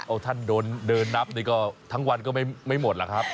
เอาท่านเดินนับนี่ก็ทั้งวันก็ไม่หมดล่ะครับ